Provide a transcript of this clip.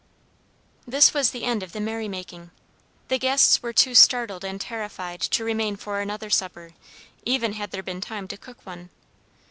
This was the end of the merrymaking. The guests were too startled and terrified to remain for another supper, even had there been time to cook one.